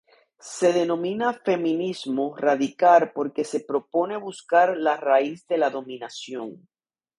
Se denomina feminismo radical porque se propone buscar la raíz de la dominación.